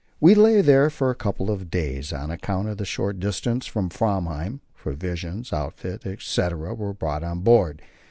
We lay there for a couple of days; on account of the short distance from Framheim, provisions, outfit, etc., were brought on board.